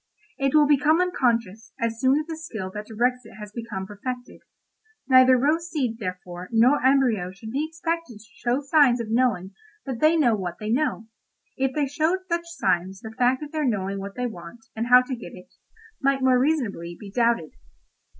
It will become unconscious as soon as the skill that directs it has become perfected. Neither rose seed, therefore, nor embryo should be expected to show signs of knowing that they know what they know—if they showed such signs the fact of their knowing what they want, and how to get it, might more reasonably be doubted."